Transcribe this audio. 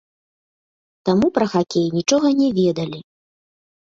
Таму пра хакей нічога не ведалі.